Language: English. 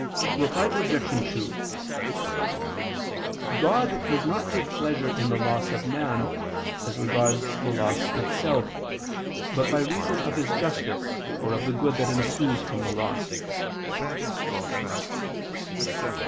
Reply Obj. 2: God does not take pleasure in the loss of man, as regards the loss itself, but by reason of His justice, or of the good that ensues from the loss.